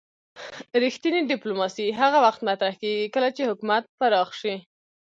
رښتینې ډیپلوماسي هغه وخت مطرح کیږي کله چې حکومت پراخ شي